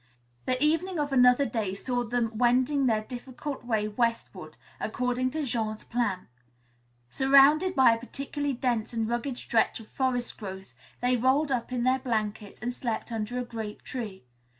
The evening of another day saw them wending their difficult way westward, according to Jean's plan. Surrounded by a particularly dense and rugged stretch of forest growth they rolled up in their blankets and slept under a great tree.